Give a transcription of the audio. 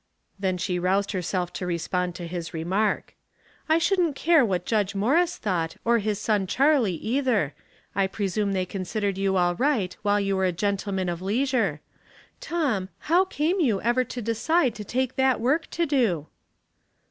Then she roused herself to re spond to his remark. " I shouldn't care what Judge Morris thought, or his son Charlie either. I presume they considered you all right while you were a gentleman of leisure. Tom, how came you ever to decide to take that work to do?"